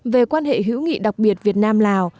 về quan hệ hữu nghị đặc biệt việt nam lào